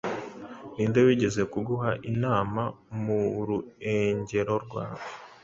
Ninde wigeze kugiha inama muruengero rwawe